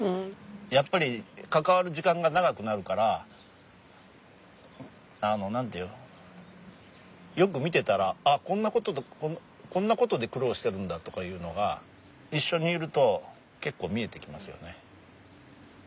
やっぱり関わる時間が長くなるからあの何て言うのよく見てたらあっこんなことで苦労してるんだとかいうのが一緒にいると結構見えてきますよね。